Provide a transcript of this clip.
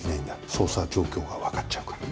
捜査状況がわかっちゃうから。